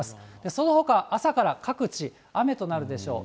そのほか、朝から各地、雨となるでしょう。